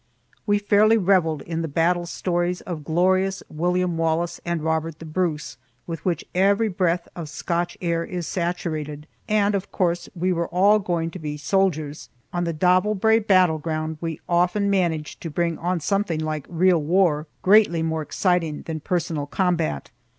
We fairly reveled in the battle stories of glorious William Wallace and Robert the Bruce, with which every breath of Scotch air is saturated, and of course we were all going to be soldiers. On the Davel Brae battleground we often managed to bring on something like real war, greatly more exciting than personal combat.